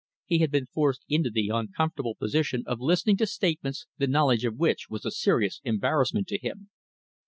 He had been forced into the uncomfortable position of listening to statements the knowledge of which was a serious embarrassment to him.